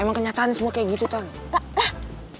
emang kenyataannya semua kayak gitu tante